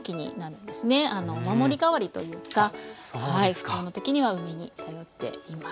不調の時には梅に頼っています。